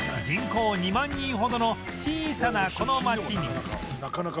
人口２万人ほどの小さなこの町に